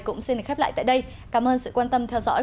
cũng xin được khép lại tại đây cảm ơn sự quan tâm theo dõi